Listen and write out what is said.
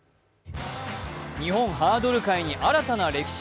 日本ハードル界に新たな歴史。